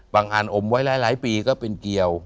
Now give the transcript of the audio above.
อันอมไว้หลายปีก็เป็นเกี่ยว